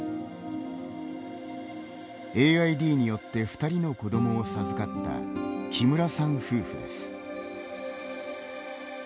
ＡＩＤによって２人の子どもを授かった木村さん夫婦です。